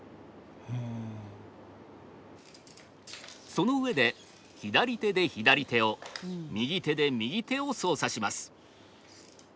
その上で左手で左手を右手で右手を操作します。